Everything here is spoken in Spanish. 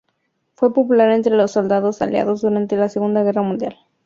Fue popular entre los soldados aliados durante la Segunda Guerra mundial.